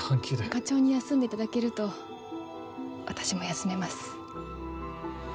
課長に休んでいただけると私も休めます。